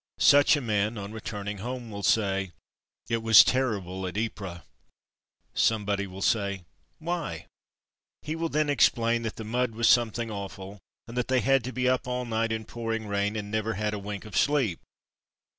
Such a man, on re turning home, will say, "It was terrible at Ypres!^' Somebody will say, "Why.?" He will then explain that the mud was some thing awful, and that they had to be up all night in pouring rain, and never had a wink of sleep.